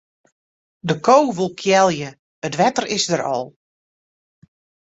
De ko wol kealje, it wetter is der al.